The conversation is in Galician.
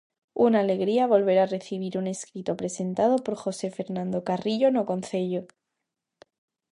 Unha alegría volver a recibir un escrito presentado por José Fernando Carrillo no concello.